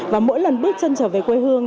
và mỗi lần bước chân trở về quê hương